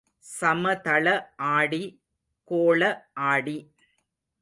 சமதள ஆடி, கோள ஆடி.